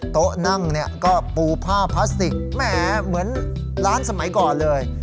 โต๊ะนั่งเนี่ยก็ปูผ้าพลาสติกแหมเหมือนร้านสมัยก่อนเลย